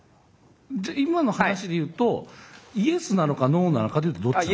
じゃあ今の話で言うとＹＥＳなのかＮＯなのかで言うとどっちなの？